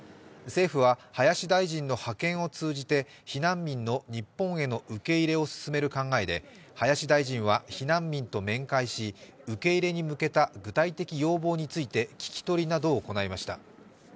政府は林大臣の派遣を通じて避難民の日本への受け入れを進める考えで林大臣は避難民と面会し、受け入れに向けた具体的要望について聞き取りなどを行いました。